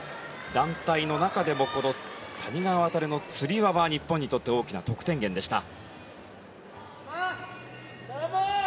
団体の中でもこの谷川航のつり輪は日本にとって大きな得点源でした。